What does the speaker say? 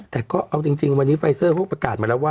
แต่ก็เอาจริงวันนี้ไฟเซอร์เขาก็ประกาศมาแล้วว่า